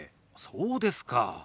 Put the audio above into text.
そうですか。